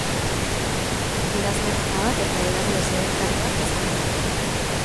Idazle nomadak eta idazle sedentarioak, hizpide.